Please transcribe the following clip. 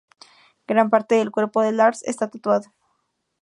Gran parte del cuerpo de Lars esta tatuado.